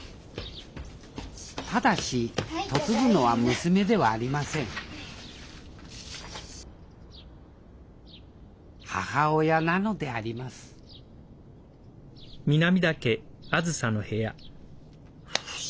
ただし嫁ぐのは娘ではありません母親なのでありますふうよし！